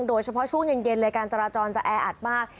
โดยเฉพาะช่วงเย็นเลยการจราจรจะแออัดมาก